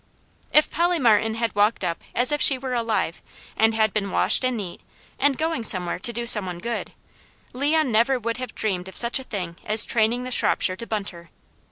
If Polly Martin had walked up as if she were alive, and had been washed and neat, and going somewhere to do some one good, Leon never would have dreamed of such a thing as training the Shropshire to bunt her.